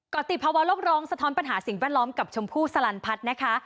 ก็ติดภาวะโลกร้องสะท้อนปัญหาสิ่งแวดล้อมกับชมพู่สลันพัฒน์นะคะ